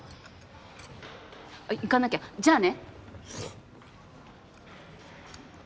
あっ行かなきゃじゃあね。